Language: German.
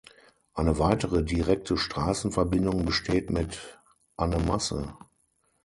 Eine weitere direkte Straßenverbindung besteht mit Annemasse.